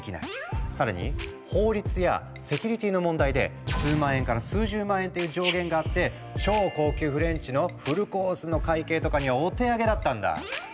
更に法律やセキュリティーの問題で数万円から数十万円っていう上限があって超高級フレンチのフルコースの会計とかにはお手上げだったんだ。